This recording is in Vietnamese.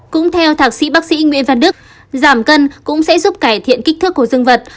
cũng theo thạc sĩ bác sĩ nguyễn văn đức giảm cân cũng sẽ giúp cải thiện kích thước của dương vật